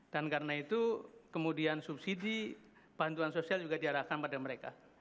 dan karena itu kemudian subsidi bantuan sosial juga diarahkan pada mereka